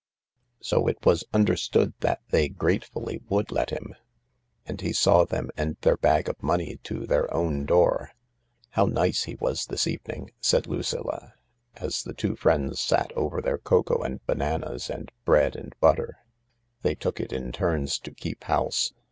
So it was understood that they gratefully would let him. And he saw them and their bag of money to their own door. "How nice he was this evening," said Lucilla, as the two frieuds sat over their cocoa and bananas and bread and butter. They took it in turns to keep house.